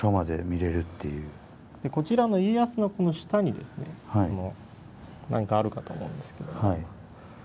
こちらの家康の下にですね何かあるかと思うんですけど。